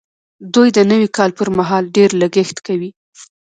دوی د نوي کال پر مهال ډېر لګښت کوي.